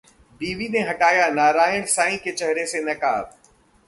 बीवी ने हटाया नारायण साईं के चेहरे से नकाब